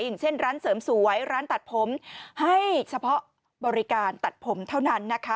อย่างเช่นร้านเสริมสวยร้านตัดผมให้เฉพาะบริการตัดผมเท่านั้นนะคะ